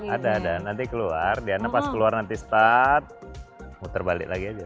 ada dan nanti keluar diana pas keluar nanti start muter balik lagi aja